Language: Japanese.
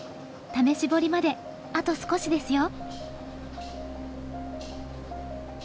試し彫りまであと少しですよ。